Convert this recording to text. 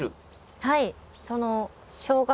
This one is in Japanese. はい。